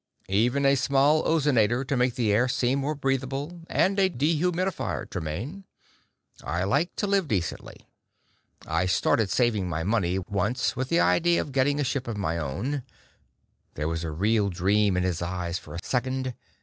"Even a small ozonator to make the air seem more breathable, and a dehumidifier, Tremaine. I like to live decently. I started saving my money once with the idea of getting a ship of my own " There was a real dream in his eyes for a second.